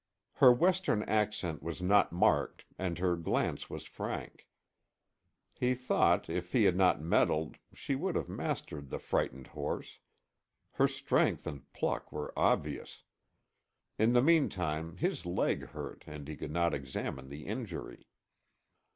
Her Western accent was not marked and her glance was frank. He thought, if he had not meddled, she would have mastered the frightened horse; her strength and pluck were obvious. In the meantime his leg hurt and he could not examine the injury.